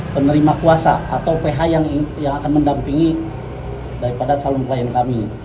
penerima kuasa atau ph yang akan mendampingi daripada calon klien kami